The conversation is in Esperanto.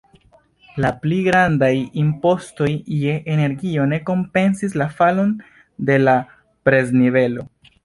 La pli grandaj impostoj je energio ne kompensis la falon de la preznivelo.